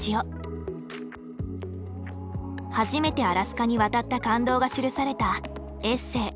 初めてアラスカに渡った感動が記されたエッセイ